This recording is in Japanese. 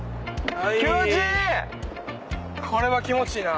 これは気持ちいいな。